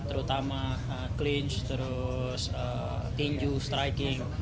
terutama cleanch terus tinju striking